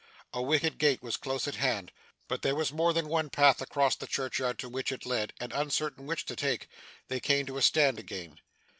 A wicket gate was close at hand, but there was more than one path across the churchyard to which it led, and, uncertain which to take, they came to a stand again.